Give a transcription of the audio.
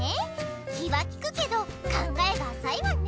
気はきくけど考えがあさいわね。